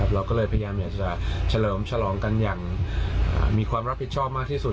เราก็เลยพยายามอยากจะเฉลิมฉลองกันอย่างมีความรับผิดชอบมากที่สุด